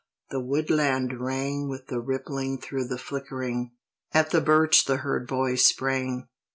The woodland rang With the rippling through the flickering. At the birch the herd boy sprang.